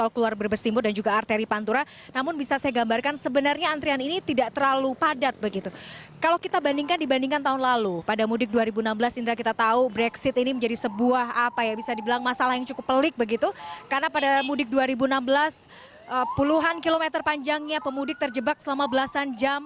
karena pada mudik dua ribu enam belas puluhan kilometer panjangnya pemudik terjebak selama belasan jam